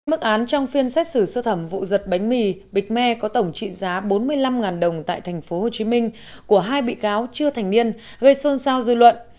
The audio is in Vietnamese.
mức án trong phiên xét xử sơ thẩm vụ giật bánh mì bịch me có tổng trị giá bốn mươi năm đồng tại tp hcm của hai bị cáo chưa thành niên gây xôn xao dư luận